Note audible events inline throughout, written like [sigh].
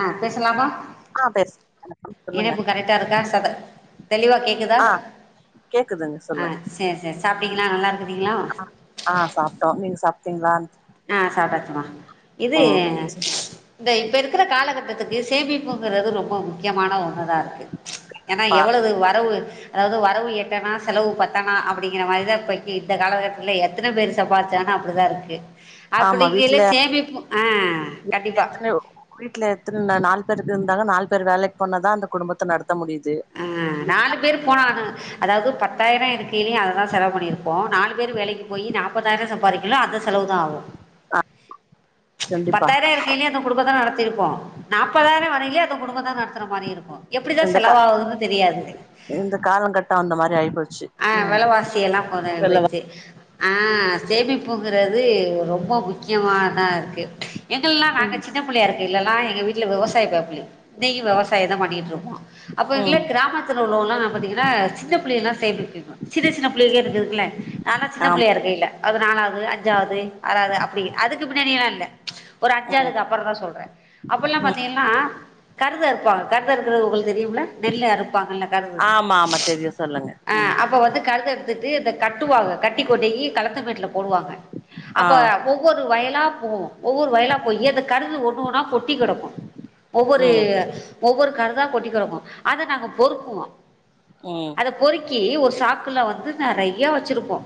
ஆ பேசலாமா ஆ பேசு சொல்லுங்க இணைப்பு கரெக்டா இருக்கா சத தெளிவா கேக்குதா ஆ கேக்குதுங்க ஆ சொல்லுங்க சேர் சேர் சாப்டீங்களா? நல்லாருக்குறீங்ளா? ங் சாப்டீங்ளா? ஆ சாப்டாச்சுமா இது இந்த இப்ப இருக்குற காலகட் டத்துக்கு சேமிப்புங்குறது ரொம்ப முக்கியமான ஒன்னதா இருக்கு ஏனா பா எவ்ளவு வரவு அதாவ்து வரவு எட்டணா செலவு பத்தணா அப்பிடிங்கிற மாரிதா இப்பக்கு இந்த காலகட்டத்துல எத்தன பேர் சம்பாருச்சானு அப்டிதா இருக்கு ஆமா அப்புடிங்கெல்ல வீட்ல சேமிப்பு ஆ கண்டிப்பா எத்தன வீட்ல எத்தன நா நாலு பேருக்கு இருந்தாங்க நாலு பேர் வேலைக்கு போன தான் அந்த குடும்பத்தை நடத்த முடியுது அஹ் நாலு பேரு போனான் அதாவது பத்தாயிரம் இருக்கலயும் அததான் செலவு பண்ணியிருபோம் நாலு பேரும் வேலைக்கு போய் நாப்பதாயிரம் சம்பாதிக்கலும் அந்த செலவு தான் ஆகும் கண்டிப்பா பத்தாயிரம் இருக்கேய் லயும் அந்த குடும்ப தான் இருக்கும் நாப்பதாயிரம் வரியிலயே அது குடும்பம் தான் நடத்துற மாதிரி இருக்கும் எப்படிதான் இந்த கா செலவாகது இந்த கால கட்ட அந்த மாதிரி ஆயிப்போச்சு ஆஹ் ம் விலைவாசி எல்லாம் போ வெள்ளவா போயச்சு ஆஹ் சேமிப்புங்கிறது ரொம்ப முக்கியமா தான் இருக்கு எங்கல்லாம் நாங்க ம் சின்ன பிள்ளையா இருக்கல்லலாம் எங்க வீட்டுல விவசாய பேமிலி விவசாயம் தான் பண்ணிட்டு இருப்போம் அப்ப எ ம் கிராமத்தில் அப்பலாம் பாத்தீங்கன்னா சின்ன பிள்ளைல்லாம் ம் சின்ன சின்ன பிள்ளைக்கே இருக்குதுக்குல்ல நாலா சின்ன ஆமா பிள்ளையா இருக்கல்ல அது நாலாவது அஞ்சாவது ஆறாவது அப்படி அதுக்கு பின்னாடி எல்லாம் இல் ஒரு ம் அஞ்சாவதுக்கு அப்புறம் தான் சொல்றேன் அப்பல்லாம் ம் பாத்தீங்கன்னா கருத அருப்பாங்க கருத இருக்கு தெரியும் ல நெல் அறுப்பாங்கல்ல கருது ஆமா ஆமா தெரியு சொல்லுங்க ம் ஆஹ் அப்போ வந்து கருத அறுத்துட்டு இதை கட்டுவாங்க கட்டி கொண்டு போயி களத்து மேட்டுல போடுவாங்க ஆ அப்ப ஒவ்வொரு வயலாம் ஓ ஒவ்வொரு வயலா போய் அந்த கடுகு ஒண்ணு ஒன்னா கொட்டி கெடக்கும் ஒவ்வொரு ம் ஒவ்வொரு கருதா கொட்டிக்கிடக்கும் அதை நாங்க பொறுக்குவோம் உம் இசிக்கி ஒரு சாக்குல வந்து நிறைய வச்சிருப்போம்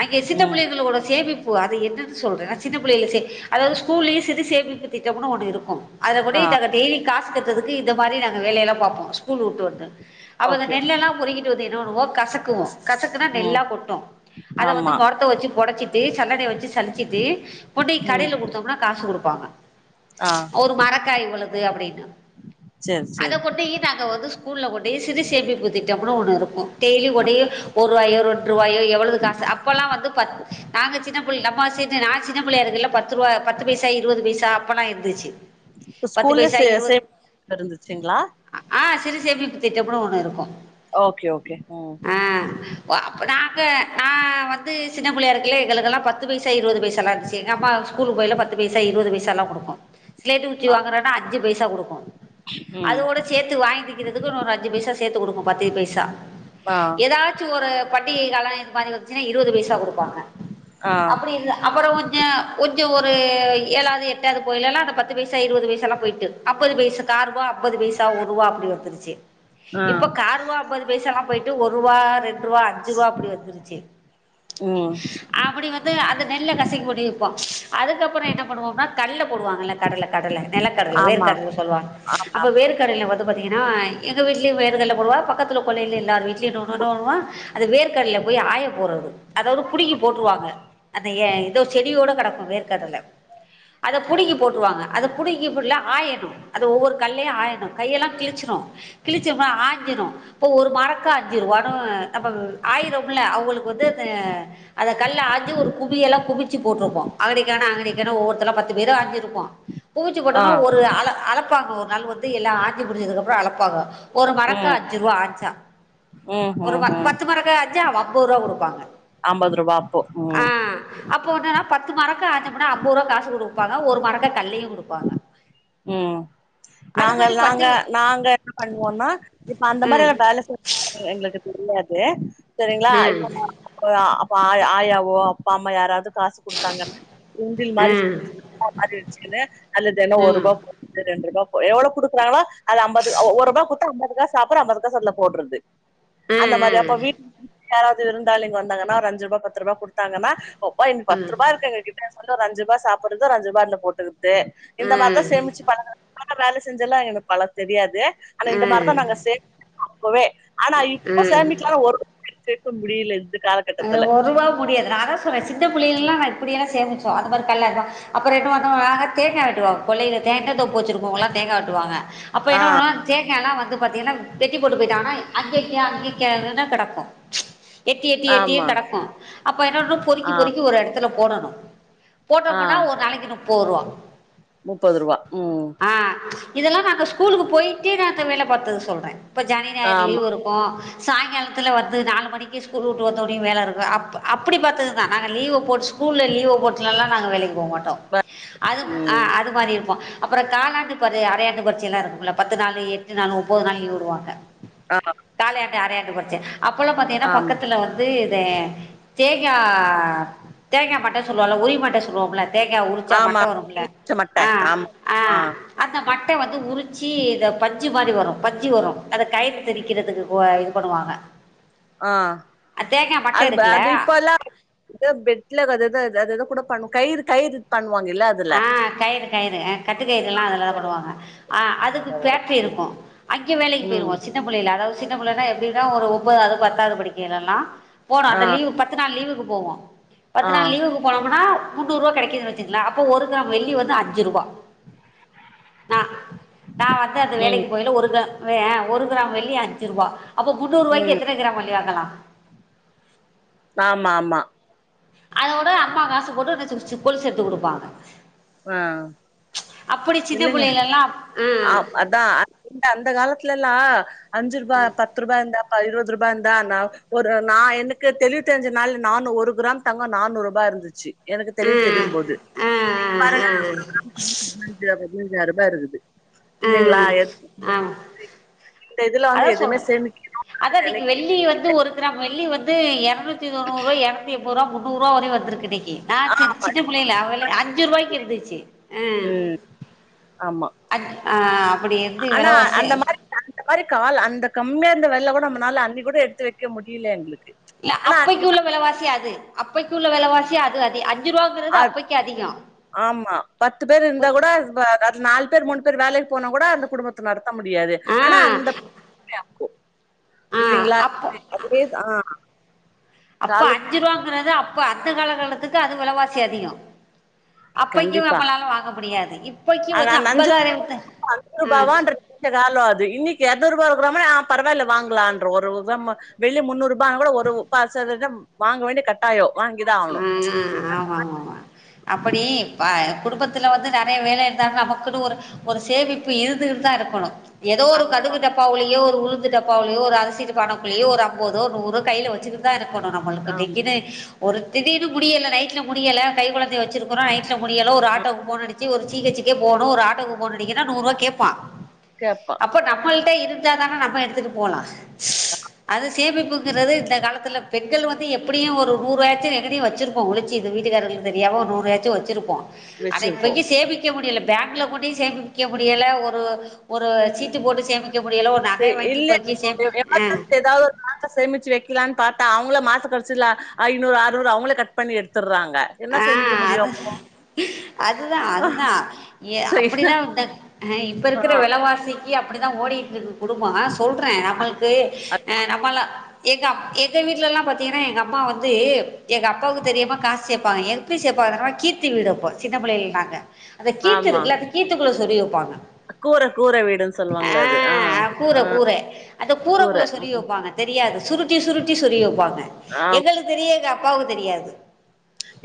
அங்கே சின்ன ம் பிள்ளைகளோட சேந்து இது என்னன்ன சொல்றேன் நான் சின்ன பிள்ளைய ச அதாவது ஸ்கூலேயே சேமிப்பு திட்டம்னு ஒன்று இருக்கும் அதை கூட்டி ஆ தெரட்டி காசு கட்ரதுக்கு இந்த மாதிரி நாங்க வேலையெல்லாம் பாப்போம் ஸ்கூல் விட்டு வந்து அவங்க ஓகே ஓகே நெல்லல்லாம் பொறுகிட்டு இருபது இருபதுவா கசக்குவோ கசக்குனா ம் நெல்லா கொட்டு அத வந்து ஆமா மொரத்த வச்சு பொடச்சிட்டு சல்லடய வச்சு சளிச்சிட்டு கொண்டு் போய் ம் கடையில கொடுத்தோம்னா காசு கொடுப்போ இருப்பாங்க ஆ ஒரு மரக்காய் இவ்வளவு அப்டீனு சேரி அத சேரி கொண்டு போயி நாங்க வந்து ஸ்கூல்ல கொண்டு போயி சிறுசேமிப்பு திட்டம் அம் ஒன்னு இருக்கு டெய்லி கூடயே ஒரு ரூவாயோ ரெண்டுருவாயோ எவ்வளவு காசு அப்போலா வந்து ப நாங்க சின்ன பிள்ள நம்ம சி நா சின்ன பிள்ளயா இருக்கல்ல பத்து ரூபா பத்து பைசா இருபது பைசா அப்போல்லா இருந்துச்சு இப்ப பத்து ஸ்கூல்ல பைசா சே இருவது இருந்துச்சுங்ளா ஆ சிறு சேமிப்பு திட்டம்னு ஒன்னு இருக்கு ஓகே ஓகே ம் ஆ ஒ நாங்க நா வந்து சின்ன பிள்ளயா இருக்கேல எங்களுக்கெலா பத்து பைசா இருபது பைச எல்லா இருந்துச்சு எங்க அம்மா ஸ்கூலுக்கு போயல பத்து பைசா இருபது பைசா எல்லா குடுக்கு சிலேட்டு குச்சி வாங்குறேனா அஞ்சு பைசா குடுக்கு ம் அதோட சேத்து வாங்கி திங்குறதுக்குன்னு ஒரு அஞ்சு பைசா சேத்து கொடுங்க பத்து பை சா ஆ ஏதாச்சு ஒரு பண்டிகை கால இது மாரி இருபது பைசா குடுப்பாங்க ஆ அப்டி இ அப்ற கொஞ்சோ கொஞ்ச ஒரு ஏழாது எட்டாது போயல எல்லா அந்த பத்து பைசா இருபது பைசா எல்லா போயிட்டு அம்பது பைசா காருபா அம்பது பைசா ஒரு ருபா அப்டி வந்துருச்சு இப்ப ம் கார்வா அம்பது காம் போயிட்டு ஒரு ரூபா இரண் பத்ரூபா அஞ்ரூபா அப்டி வந்துருச்சு ம் அப்டி வந்து அந்த நெல்ல கசக்கி போட்டு விப்போ அதுக்கப்றோ என்ன பண்ணுவோம்னா கல்ல போடுவாங்கல கடல கடல நெலக்கடல ஆமா வேர்கடல சொல்லுவாங்க ஆமா அப்ப வேர்கடல வந்து பாத்தீங்னா எங்க வீட்லயு வேர்கல்ல வருவா பக்கத்துல கொல்லேல எல்லார் வீட்லயு ஒன்னுனுர்வா அந்த வேர்கல்ல போய் ஆய போறது அதோடு புடிங்கி போட்ருவாங்க அந்த ஏதோ செடியோட கெடக்கு வேர்கடல புடுங்கி போட்டு வருவாங்க அது புடிக்கிபுள்ள ஆயிர அது ஒவ்வொரு கல்லயு ஆயணு கையெல்லா கிழிச்சிறு கிழிச்சம்ன ஆஞ்சிறு இப்ப ஒரு மரக்கா அஞ்சுருவானு நம்ம ஆயிரம்ல அவுங்களுக்கு வந்து் அத கல்ல ஆஞ்சு ஒரு குவியெலா குவிச்சு போட்டிருப்போ அங்கனக்கங்கன அங்கனக்கங்கன ஒவ்வொருத்தல பத்து பேரு ஆஞ்சிருப்போ பூச்சு ஆ போட்டோனா ஒரு அள அளப்பாங்க ஒர் அதனால் வந்து எல்லா ஆக்கி முடுச்சதுக்கப்புறோ அளப்பாங்கோ ஒரு மரக்கா ம் அஞ்சு ருவா த ம் ஒரு ம் ப ம் பத்து மரக்கா அஞ்சா அம்பரூவா குடுப்பாங்க ஐம்பது ரூபா அப்போ ஆ ம் அப்ப என்னன்னா பத்து மரக்க அஞ்சு மூட்ட அம்பரூவா காசு குடுப்பாங்க ஒரு மரக்க கல்லியு குடுப்பாங்க ம் அது நாங்க மாரி பத்து நாங்க நாங்க என்ன பண்ணுவோன்னா இப்ப அந்த ம் மாரி பே எங்களுக்கு தெரியாத் து செரிங்களா ம் இப்போ அப்ப ஆளா ஆயாவோ அப்பா அம்மா யாராவது காசு குடுத்தாங்கன்னா உண்டில் மாரி ம் சேத்து வெச்சுன்னு தெனோ ஒரு ம் ரெண்டு ரூபா போய் எவ்வளோ குடுக்குறாங்களோ அது அம்பது ஒருபா குடுத்தா அம்பது காஸ் சாப்புறது ஐம்பதுக்காச அதுல போடுறது அந்த மாரி அப்ப ம் வீட் யாராவது இருந்தாலு இங்க வாங்கன்னா ஒரு அஞ்சு ரூபா பத்து ரூபா குடுத்தாங்கன்னா ஒப்பா இ ம் பத்து ரூபா இருக்கு எங்க கிட்ட அஞ்சு ரூபா சாப்டுறது ஒரு அஞ்சு ரூபா அதுல போட்டுறது தே இந்த மாதஸ் சேமிச்சு பழகுற ஆ வேல செஞ்செல்லா எனக்கு பல தெரியாது ஆனா இந்த மார்தா ம் நாங்க சேப் அப்போவே ஆனா இப்ப ம் ம் சேமிக்கலான ஒரு சேக்க முடியில ஒரூபா முடியாது நா அதா சொல்ற சின்ன புள்ளைல எல்லா நா இப்டியெல்லா சேமிச்சு [unintelligible] அப்புறோ என்னா பண்ணுவாங்கோ தேங்கா வெட்டுவாங்கோ கொள்ளைல தேங்கா தோப்பு வெச்சுருப்போ [unintelligible] தேங்கா வெட்டுவாங்க அப்ப ஆ என்ன பண்ணுவோனா தேங் தேங்கால்லா வந்து பாத்தீங்கன்னா வெட்டி போட்டு போயிட்டா ஆனா அங்கங்கே அங்கங்கே கெடக்கு எப் கேட்டியே ஆமா கடக்கு அப்ப என்னன்ன பொறுக்கி ஆ பொறுக்கி ஒரு எடத் த்துல போடனு போட்டா போன ஒரு நாளைக்குனு போர்வா முப்பதுரூபா ம் இதெல்லா நாங்க ஸ்கூலுக்கு போயிட்டே வேல பாத்தது சொல்றே இப்ப ஜனி ஞாயிறு ஆமா லீவு இருக்கு சாங்காலத்துல வந்து நாலு மணிக்கு ஸ்கூல் விட்ட வந்தோனய வேல இருக்கு அ அப்புடி பாத்ததுதா நாங்க லீவ போட்டு ஸ்கூல்ல லீவ போட்டுலல்லா நாங்க வேலக்கு போ மாட்டோ ப அது ஆ ம் அது மாரி இருப்போ அப்பற காலாண்டு பர அரையாண்டு பரிட்ச எல்லா இருக்குங்கள பத்து நாலு எட்டு நாலு முப்பது நாள் லீவு உடுவாங்க ஆ தஅரையாண்டு பரிச்ச அப்பல்லா பாத்தங்கன்னா ஆமா பக்கத் தே இத தேங்கா தேங்கா மட்ட சொல்லுவல்ல உரி மட்ட சொல்லுவோம்ல தேங்கா உரிச்சா ஆமா மட்ட வரும்ல மட்ட ஆ ஆமா ஆ அந்த மட் ட்ட வந்து உரிச்சி இத பஞ்சு மாரி வரு பஞ்சி வரு அத கயரு திரிக்கறதுக்கு புவ இது பண்ணுவாங்க ஆ தேங்காய் மட்டை அது ப அது இருக்குல்ல இப்பல்லா பெட்ல அது அதுத கூட பண்ணு கயிறு கயிறு பண் ஆ கயிறு கயிறு கட்டு கயிறு எல்லா அதுல தா பன்னுவாங்க ஆ அதுக்கு ஃபேட்ரி இருக்கு அங்க வேலக்கு ம் போயிருவோ சின்ன புள்ளயில அதாவது சே சின்ன புள்ளனா எப்டினா ஒரு ஒம்பாதாவது பத்தாவது படிக்கேலல்லா போனு ஆ அந்த லீவு பத்து நாள் லீவுக் போவ பத்து ஆ நாள் லீவுக்கு போனம்னா முண்ணூர்ருபா கெடைக்குது வச்சுங்களா ப்ப ஒரு க்ராம் வெள்ளி வந்து அஞ்சு ரூபா நா நா வந்து அந்த ம் வேலக்கு போயில ஒரு க்ரா வே ஒரு கிராம் வெள்ளி அஞ்சு ரூபா அப்போ முந்நூறுருவாய்க்கி ம் எத்தன கிராம் வெள்ளி வாங்களா? ஆமா ஆமா அதோட அம்மா காசு போட்டு [unintelligible] கொலுசு எடுத்து குடுப்பாங்க. ஆ அப்படி சின்ன இல்லைங்க பிள்ளைலல்லா ஆ அதா அ இந்த அந்த காலத்துலல் லா அஞ்சு ரூபா பத்து ரூபா இருந்தா ஆ இருபது ரூபா இருந்தா நா ஒரு நா எனக்கு தெளிவு தெரிஞ்ச நாள் நானு ஒரு கிராம் தங்கோ நானூறு ரூபா இருந்துச்சு. எனக்கு தெளிவு ம் தெரியும் போது ஆ ஆ பாருங்க ஒரு கிராம் [inaudible] ஐயாயர்ரூபா இருந்துது. ஆ அ இந்த இதுல வந்து அதா எதுவுமே சொல்றே அதா சேமிக்கணும்னு இன்னக்கி நெனைக்க வெள்ளி வந்து ஒரு கிராம் வெள்ளி வந் து எர நூத்தி தொண்ணூர்ரூவா எரநூத்தி எம்பதுரூவா மு ந்நூருவா வரையு வந்துருக்கு இன்னக் கி நா சி சின்ன பிள்ளையில அவள அஞ்சு ருவாய்க்கு இருந்துச்சி ம் ஆமா ஆ ஆ அப்டி இருந்து ஆனா வெலவாசி அந்த மாரி அந்த மாரி கால் அந்த க ம்மியா இருந்த வெலல கூட நம்மனால அன்னக்கிகூட எடுத்து வைக்க முடியில எங்களுக்கு. யா ஆனா அப்பக்கி அன்னைக்கு நா உள்ள வெலவாசி அது அப்பக் கி உள்ள வெலவாசி அது அதி அ அத் ஆமா பத்து பேர் இருந்தா கூட அது ப அது நால் பேர் மூன் பேர் வேலைக்கி போனா கூட அந்த குடும்பத்த நட த்த முடியாது ஆ ஆனா அந்த கொ ஆ இல்லைங்களா அப்போ [inaudible] ஆமா அப்ப அஞ்சுருவாங்கறது அப் ப அந்த காலகட்டத்துக்கு அது வெலவாசி அதிகோ அப்பக்கி நம்மளால வாங்க முடியாது இ அத அந் அஞ்சு ஆ ரூபாவா ன்ற தாலொ அது இன்னிக்கு எத் ரூபா ரு பரவால்ல வாங்லான்ற ஒரு ஒவ்வருவாவும் வெளி முன்னூறு ரூபானு கூட ஒரு பாச வாங்க வேண்டி கட்டாயம் வாங்கிதான் ஆகணும் ம்ம் ஆம ஆமா அப்டி வ குடும்பத் துல வந்து நெறைய வேலை இருந்தா தா நமக்குனு ஒரு சேமிப்பு இருந்துட்தா இருக்கணும் எதோ ஆ ஒரு கடுகு டப்பாவ்லையோ ஒரு உளுந்து டப்பாவ்லையோ ஒரு அரச் ள்ளியோ ஒரு ஐம்பதொ நூறொ கையில வச்சுட்டு தான் இருக் பனு நம்மளுக்கு ஆமா திக்கி தெ பொறுத்தி முடியல்ல நை முடியல கைக்கொழந்தை ய வச்சிருக்ரோம் நைட்ல முடியல ஒரு ஆட்டோக்கு போனடிச்சு ஒரு ஜி ஹச்சுகே போனும் ஒரு ஆட்டோக்கு போன் ன்னா நூருவா கேப்பா கேப்பா அப்போ நம்மள் இருந்தாதானே நம்ம எடுத்துட்டு போலாம் அது [inaudible] சேமிப்புங்கிறது இந்த காலத்துல பெண்கள் வந்து எப்படியும் ஒரு நூறுவாய்ச்சும் எங்கணையும் வச்சிருப்போம் ஒழுச்சு வீட்டுகாரங்ளுக்கு தெரியாம நூறுவாயாச்சும் வச்சிருப்போம் அத இப்பய்க்கு வச்சிருப்போம் சேமிக்க முடியல பேங்க்ல கொண்டி சேமிக்க முடியல ஒரு சீட்டு போட்டு சேமிக்க முடியல ஒரு நகைய வாங்கி இல்ல இப்போக்கி சேமி ஆ எமர்ஜென்சி ஏதாவது ஒரு நாட்ட சேமிச்சு வைக்கலான்னு பா அவங்களே மாச கடைசில ஐநூறு அறுநூறு அவங்கள கட் பண்ணி எடுத்தறாங்க ஆஹ் அது அதுதான் அதுதான் அப்படிதான்ஹ இப்ப ஆ இருக்குற வெளவாசி இப்போதிக்கு அப்படிதான் ஓடிட்டு இருக்கு குடும்பம் சொல்றேன் இருக்கு அது நம்மல்லாம் எங்க எங்க வீட்டுலல்லாம் பாத்தீங்கன்னா எங்க அம்மா வந்து எங்க அப்பாவுக்கு தெரியாம காசு சேப்பாங்க எப்படி சேப்பங்கனா கீத்து வீடு வப்போ சின்ன பிள்ளையில நாங்க அந்த கீத்து ஆமா இருக்குல அ கீத்துக்குள்ள தெரிய வைப்பாங்க கூர கூர வீடுன்னு சொல்லுவாங்கள அது ஆ ஆஹ் கூர ஆ கூர அந்த கூர கூரைக்குள்ள சொருவி ம் வைப்பாங்க தெரியாது சுருட்டி சுருட்டி சொருவி வைப்பா ஆ எங்களுக்கு தெரியது அ போக தெரியாது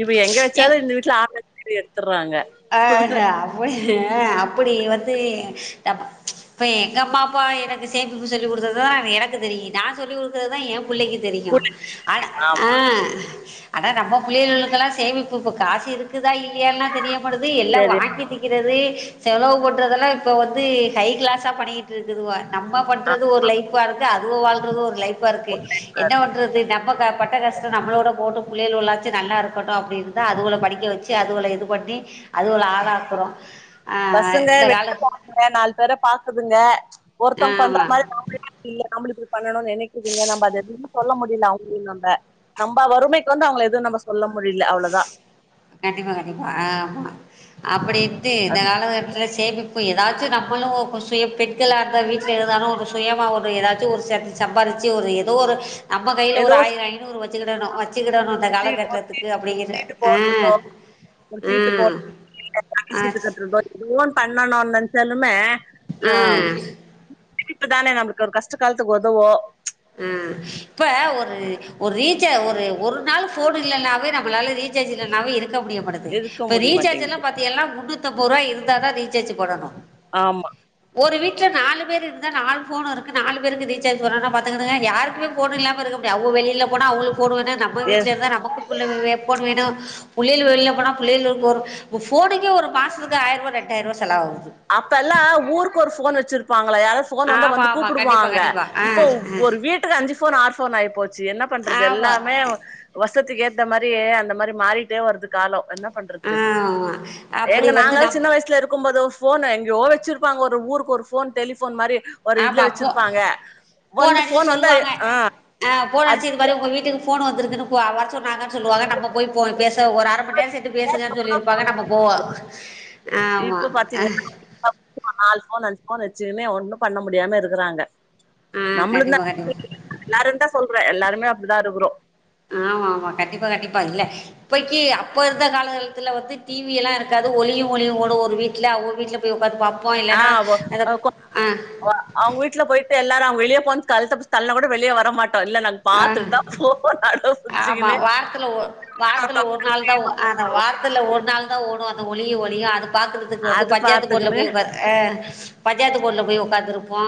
இப்ப எங்க வச்சாலு இந்த வீட்ல ஆ [inaudible] அ ஆஹ அப்டி அ அப்டி வந்து நம் பா எங்க அம்மா அப்பா எனக்கு சேமிப்பு சொல்லி கொடுத்தது தா எனக்கு தெரியு நா சொல்லி குடுக்குறது தா எ பு புள்ளைக்கு தெரியு அட ஆமா. ஆஹ அட நம்ம புள்ளைகளுக்கல்லா சேமிப்பு இப்ப காசு இருக்குதா இல்லையல்லா தெரிய ன்ன பண்றது எல்லா தெரியும். வாங்கி திங்க்கிறது செலவு பண்றதெல்லா இப்போ வந்து ஹைக்ளாஸா பண்ணிக்கிட்டு இருக்குதுவா நம்ப ஆ சரி பண்றது ஒரு லைஃப்பா இருக் அதுங்க வாழ்றது ஒரு லைஃப் பார்க்கு என்ன பண்றது நம்ம ந பட்ட கஷ்ட நம்மளோட போட்ட புள்ளைலாது நல்லா இருக்கட்டு அப்டின் தா அதுவோல படிக்க வச்சு அதுவோல இது பண்ணி அதுகள ஆளாக்குறோ ஆ பசங்க இந்த வெள கால போகுதுங்க நால் பேர பாக்குதுங்க ஒருத்தங்க பண்ற ஆமா மாரி [unintelligible] நம்பளுக்கு பண்ணணுன் நெனைக்குதுங்க நம்ப அத திருப் சொல்ல முடில அவுங்களனு நம்பா வறுமைக்கு வந்து அவுங்கள எதுவு நம்ப சொல்ல முடில அவ்ளதா கண்டிப்பா கண்டிப்பா ஆ ஆமா அப்டி டி இந்த கால கட்டத் ஸ் சேமிப்பு ஏதாச்சு நம்பலு கூஷ் சுய பெண்களாகந்த வீட்ல இருந்தாலு ஒரு சுயமா ஒரு ஏதாச் ஒரு சம் சம்பாரிச்சு ஒரு ஏதோ ஒரு நம்ப கையில ஏதோ ஒரு ஆயிர ஐநூறு வச்சுக்கிடணு வச்சுக்கிடணு இந்த காலகட்டத்துக்கு அப்டிங்கிற ஆ ஆ [unintelligible] ஆ ஆ ஃபோன் பண்ணனு நெனச்சாலுமே ஆ ம் இப்பதானே நம்பளுக்கு ஒரு கஷ்ட காலத்துக்கு உதவு அ இப்ப ஒரு ஒரு ரீசா ஒரு நாலு ஃபோன் இல்லன்னாவே நம்மளால ரீசார்ஜ் இல்லனாவே இருக் ல்லா முடியமாட்டேங்குது இருக்க இப்ப முடிய ரீசார்ஜெல்லா மாட்டேங்குது பத்தியெல்லா முன்னூத் முன்னூத்தம்பது ரூபா இருந்தாதா ரீசார்ஜ் பண்ணனு ஆம்மா ஒரு வீட்ல நாலு பேரு இருந்தா நாலு ஃபோன் இருக்கு நாலு பேருக்கு ரீசார்ஜ் பண்ணணு பாத்துக்கங்க யாருக்குமே ஃபோன் இல்லாம இருக்க முடியா அவுங்க வெளியில போனா அவுங்களுக் போடு வேணு நம்ம எ வீட்ல இருந்தா நமக்கு புள்ள வே ஃபோனு வேணு புள்ளைல்லு வெளில போனா புள்ளைளுக்கு ஒரு ஃபோனுக்கே ஒரு மாதத்துக்கு ஆயிரரூவா ரெட்டாயிரூவா செலவாகுது அப்பல்லா ஊர் க்கு ஒரு ஃபோன் வெச்சுருப்பாங் யாராவது ஃபோன் வந்தா ஆமா ஆமா கண்டிப்பா கூப்புடுவாங்க கண்டிப்பா ஆ இப்ப ஒரு வீட்டுக்கு அஞ்சு ஃபோன் ஆறு ஃபோன் ஆயி போச்சு என்ன ஆ பண்றது ஆமா எல்லாமே வசத்திக்கு ஏற்ப் இந்த மாரி அந்த மாரி மாறிட்டே வருது காலோ என்னப் பண்றது ஆமா அப்படி எங்க வந்து நாங்க நம் சின்ன வயிசுல இருக்கும் போது எங்கே வெச்சுருப்பாங்க ஒரு ஊருக்கு ஒரு ஃபோன் டெலிஃபோன் மாரி ஒரு இதுல ஆமா போ வெச்சுருப்பாங்க வந்து அடிச்சு ஃபோன் வந்தா சொல்லுவாங்க ஆ ஆ ஃபோன் அத் அடிச்சு இது மாதிரி உங்கள் வீட்டுக்கு ஃபோன் வந்துருக்குன்னு வர சொன்னாங்கன் சொல்லுவாங்க நம்ம போய் ஃரபோன் பேச ஒரு அர மணி நேரங்கிட்ட பேசுங்கன் சொல்லிருப்பாங்க நம்ம போவோ இப்ப பாத்தீங்கன்னா [inaudible] ஃபோன் அச்ச ஒண்ணே ஒன்னு பண்ண முடியாம இருக்குறாங்க ஆ நம்மலுந்தா கண்டிப்பாக கண்டிப்பாக [inaudible] எல்லாருந்தா சொல் அப்புறோ எல்லாருமே அப்டிதா இருக்குறோ ஆமா ஆமா கண்டிப்பா கண்டிப்பா இல்ல இப்பைக்கி அப்ப இருந்த கால காலத்துல வந்து டிவி எல்லா இருக்காது ஒலியு ஒலியு கூட ஒரு வீட்ல அவுங்க வீட்ல போய் உக்காந்து பாப் ஆ [inaudible] அவங்க வீட்ல போய் எல்லாரு அவுங்க வெளிய போனு கழுத்த புடுச்சு தல்னா கூட வெளிய வர மாட் உ ஆமா புடிச்சுக்கினு வாரத்துல ஒன வாரத்துல ஒரு நாள் தா ஆனான் வாரத்துல ஒரு நாள் தா ஓடு ஒலியா ஒலியா அது பாக்குறதுக்கு வந்து அது பஞ்ஜாயத்து போர்ல பாத்துக்குனு போய் பாக்க அ பஞ்ஜாத்து போன்ல போய் உக்காந்துருப்போ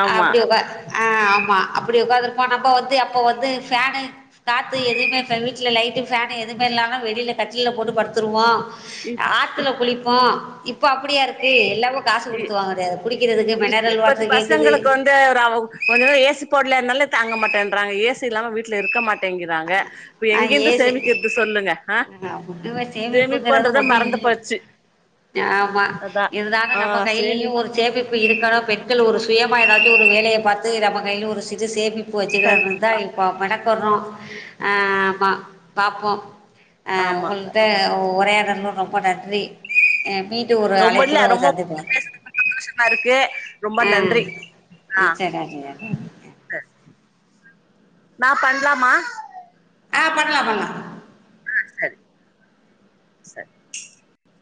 ஆமா அப்டியாப்பா ஆம் மா அப்டி உக்காந்துருருப்போ நம் அப்ப வந்து அப்ப வந்து ஃபேனு காத்து எதுவுமே வீட்ல லைட்டு ஃபேனு எதுமே இல்லாம வெளில கட்டுள்ள போட்டு படுத்துருவோ இப் ஆத்துல இப் குளிப்போ இப்ப அப்டியா இருக்கு எல்லாமு இ காசுடுத்து வாங்கவேண்டிதாருக்கு குடி இப் இப்பத்து பசங்களுக்கு வந்து ராவ் ஒரு ஏசி போடலனல தாங்கமாட்டென்றாங்க ஏசி இல்லாம வீட்டல இருக்க மாட் மாட்டேங்கிராங்க இப்ப ஆ எங்கந்து ஏசி சேமிக்கிது சொல்லுங்க அ ஒன்னுமே சேமிப்புங்கிறது சேமிப்பன்றத ஒன்னு மறந்து இல்ல போச்சி ஆமா அதா சேமிப் ப்பு இருக்கணு பெண்கள் ஒரு சுயமா ஏதாச்சும் ஒரு வேலைய பாத்த நம கையில ஒரு சிறு சேமிப் இப்போ கண் வச்சுக்கிடறது தா இப்போ பட்டக்கரோ ஆ ஆமா பாப்போ அ ஆமா உங்கள்ட உ ஒரே இடன்னும் ரொம்பட சரி மீட்டு ஒரு ரொம்ப இல்ல அழைப்புள்ள ரொம்ப சந்திப்போ சந்தோஷமா இருக்கு ரொம்ப ஆ நன்றி ஆ சரி ஜ நா பண்லாமா ஆ பண்லா பண்லா ஆ ச ச